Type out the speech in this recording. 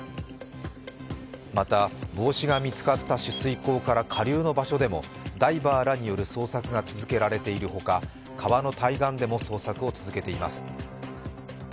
また、帽子が見つかった取水口から下流の場所でもダイバーらによる捜索が続けられているほか川の対岸でも捜索を続けています。